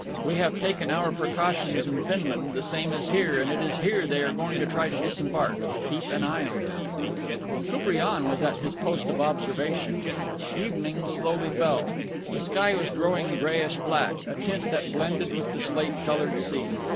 We have taken our precautions in Finland the same as here and it is here they are going to try to disembark. Keep an eye on them." Koupriane was at his post of observation. Evening slowly fell. The sky was growing grayish black, a tint that blended with the slate colored sea.